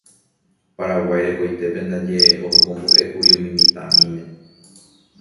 Paraguái rekoitépe ndaje ohekombo'ékuri umi mitãmíme.